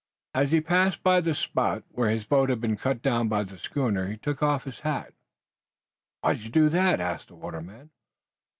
As he passed by the spot where his boat had been cut down by the schooner he took off his hat. "Why do you do that?" asked the waterman.